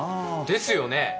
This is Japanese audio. ですよね？